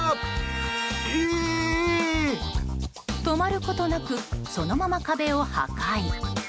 止まることなくそのまま壁を破壊。